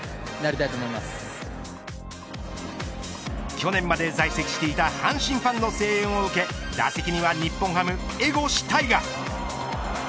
去年まで在籍していた阪神ファンの声援を受け打席には日本ハム、江越大賀。